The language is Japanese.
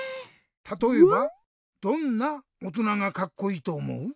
たとえばどんなおとながカッコイイとおもう？